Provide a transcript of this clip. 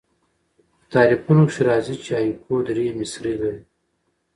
په تعریفونو کښي راځي، چي هایکو درې مصرۍ لري.